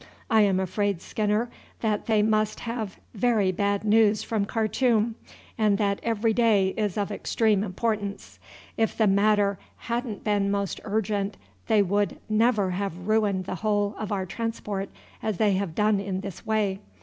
I am afraid, Skinner, that they must have very bad news from Khartoum, and that every day is of extreme importance. If the matter hadn't been most urgent they would never have ruined the whole of our transport as they have done in this way.